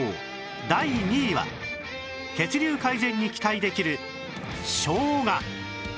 第２位は血流改善に期待できるしょうが